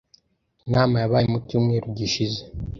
Inama yabaye mu cyumweru gishize.